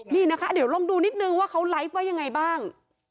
นี่นะคะเดี๋ยวลองดูนิดนึงว่าเขาไลฟ์ว่ายังไงบ้าง